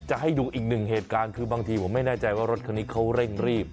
จะให้ดูอีกหนึ่งเหตุการณ์คือบางทีผมไม่แน่ใจว่ารถคันนี้เขาเร่งรีบ